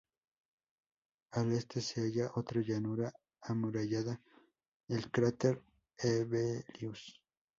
Al este se halla otra llanura amurallada, el cráter Hevelius.